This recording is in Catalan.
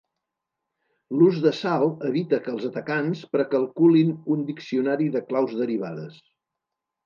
L'ús de sal evita que els atacants pre-calculin un diccionari de claus derivades.